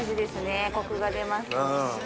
コクが出ますね。